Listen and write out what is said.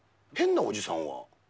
変なおじさんは？